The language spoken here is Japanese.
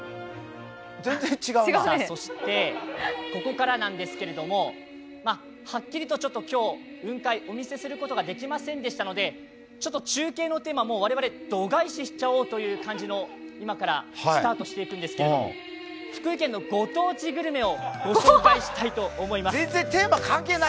そして、ここからなんですけれどもはっきりと、今日、雲海お見せすることができませんでしたので中継のテーマ、もう我々は度外視しちゃおうという、今からスタートしていくんですけど福井県のご当地グルメをご紹介したいと思います。